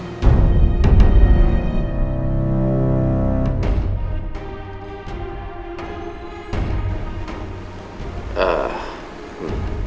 saya cukup banyak berkorban